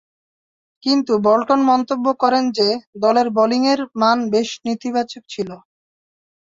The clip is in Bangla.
কিন্তু, বোল্টন মন্তব্য করেন যে, দলের বোলিংয়ের মান বেশ নেতিবাচক ছিল।